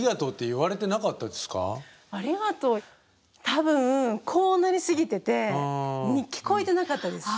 多分こうなりすぎてて聞こえてなかったです。